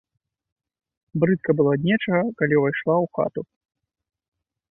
Брыдка было ад нечага, калі ўвайшла ў хату.